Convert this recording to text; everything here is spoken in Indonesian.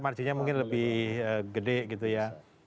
marginnya mungkin lebih gede gitu ya